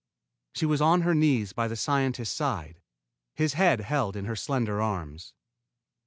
She was on her knees by the scientist's side, his head held in her slender arms.